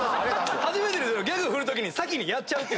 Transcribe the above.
初めてですよギャグ振るとき先にやっちゃうっていう。